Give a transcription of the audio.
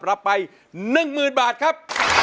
รับไป๑หมื่นบาทนะครับ